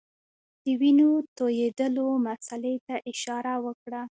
د وینو تویېدلو مسلې ته اشاره وکړه.